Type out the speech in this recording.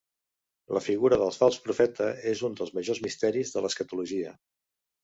La figura del Fals Profeta és un dels majors misteris de l'escatologia.